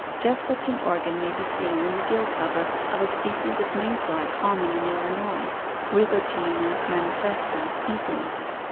Just such an organ may be seen in the gill cover of a species of May fly common in Illinois, Rithogena manifesto Eaton.